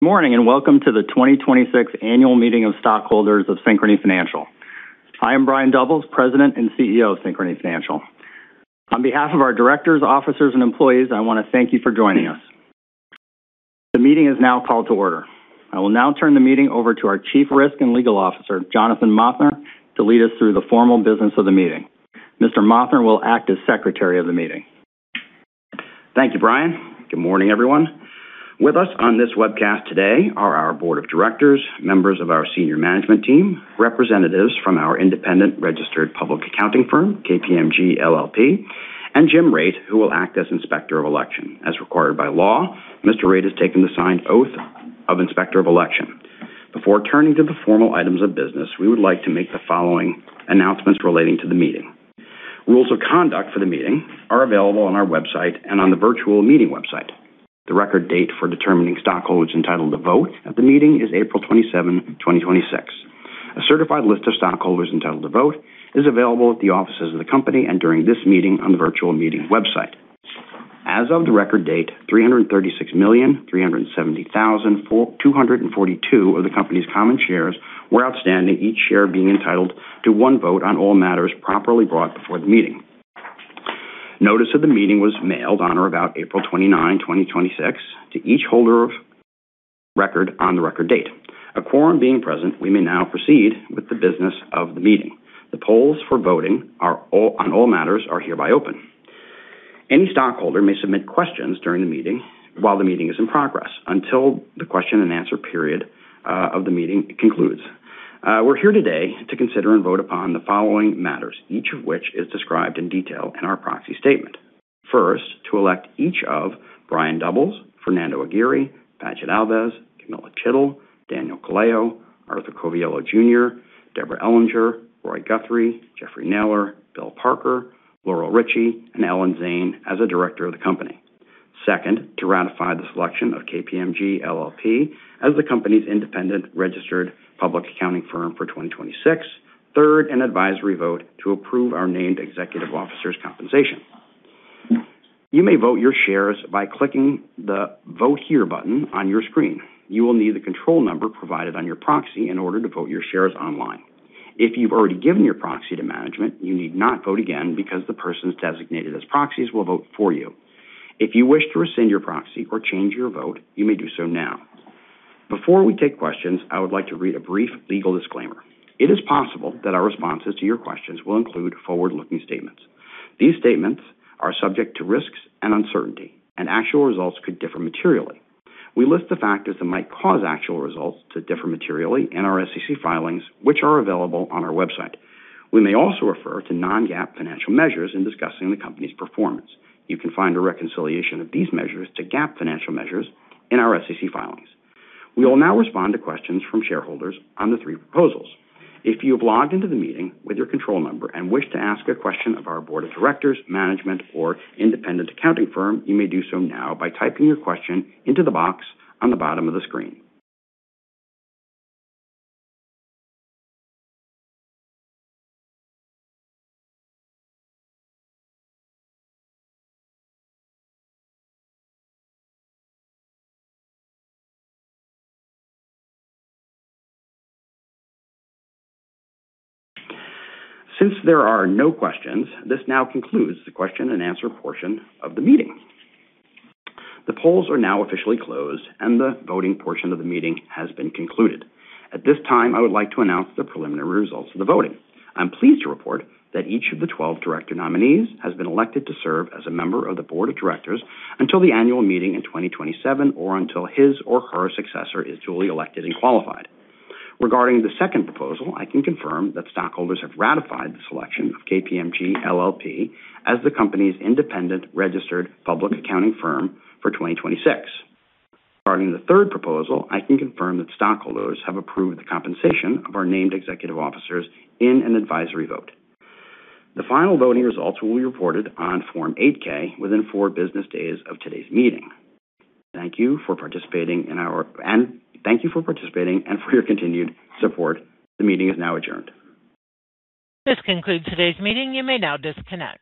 Morning, welcome to the 2026 Annual Meeting of Stockholders of Synchrony Financial. I am Brian Doubles, President and Chief Executive Officer of Synchrony Financial. On behalf of our directors, officers, and employees, I want to thank you for joining us. The meeting is now called to order. I will now turn the meeting over to our Chief Risk and Legal Officer, Jonathan Mothner, to lead us through the formal business of the meeting. Mr. Mothner will act as secretary of the meeting. Thank you, Brian. Good morning, everyone. With us on this webcast today are our Board of Directors, members of our Senior Management team, representatives from our independent registered public accounting firm, KPMG LLP, and Jim Raitt, who will act as Inspector of Election. As required by law, Mr. Raitt has taken the signed oath of Inspector of Election. Before turning to the formal items of business, we would like to make the following announcements relating to the meeting. Rules of conduct for the meeting are available on our website and on the virtual meeting website. The record date for determining stockholders entitled to vote at the meeting is April 27, 2026. A certified list of stockholders entitled to vote is available at the offices of the company and during this meeting on the virtual meeting website. As of the record date, 336,370,242 of the company's common shares were outstanding, each share being entitled to one vote on all matters properly brought before the meeting. Notice of the meeting was mailed on or about April 29, 2026, to each holder of record on the record date. A quorum being present, we may now proceed with the business of the meeting. The polls for voting on all matters are hereby open. Any stockholder may submit questions during the meeting while the meeting is in progress until the question and answer period of the meeting concludes. We're here today to consider and vote upon the following matters, each of which is described in detail in our proxy statement. First, to elect each of Brian Doubles, Fernando Aguirre, Paget Alves, Kamila Chytil, Daniel Colao, Arthur Coviello Jr., Deborah Ellinger, Roy Guthrie, Jeffrey Naylor, Bill Parker, Laurel Richie, and Ellen Zane as a Directors of the company. Second, to ratify the selection of KPMG LLP as the company's independent registered public accounting firm for 2026. Third, an advisory vote to approve our named executive officers' compensation. You may vote your shares by clicking the Vote Here button on your screen. You will need the control number provided on your proxy in order to vote your shares online. If you've already given your proxy to management, you need not vote again because the persons designated as proxies will vote for you. If you wish to rescind your proxy or change your vote, you may do so now. Before we take questions, I would like to read a brief legal disclaimer. It is possible that our responses to your questions will include forward-looking statements. These statements are subject to risks and uncertainty, and actual results could differ materially. We list the factors that might cause actual results to differ materially in our SEC filings, which are available on our website. We may also refer to non-GAAP financial measures in discussing the company's performance. You can find a reconciliation of these measures to GAAP financial measures in our SEC filings. We will now respond to questions from shareholders on the three proposals. If you have logged into the meeting with your control number and wish to ask a question of our Board of Directors, management, or independent accounting firm, you may do so now by typing your question into the box on the bottom of the screen. Since there are no questions, this now concludes the question and answer portion of the meeting. The polls are now officially closed, the voting portion of the meeting has been concluded. At this time, I would like to announce the preliminary results of the voting. I'm pleased to report that each of the 12 Director nominees has been elected to serve as a member of the Board of Directors until the Annual Meeting in 2027 or until his or her successor is duly elected and qualified. Regarding the second proposal, I can confirm that stockholders have ratified the selection of KPMG LLP as the company's independent registered public accounting firm for 2026. Regarding the third proposal, I can confirm that stockholders have approved the compensation of our named executive officers in an advisory vote. The final voting results will be reported on Form 8-K within four business days of today's meeting. Thank you for participating, for your continued support. The meeting is now adjourned. This concludes today's meeting. You may now disconnect.